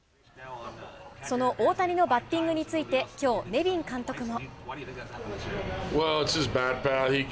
その大谷のバッティングについて、きょう、ネビン監督も。